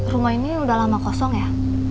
rumah ini udah lama kosong ya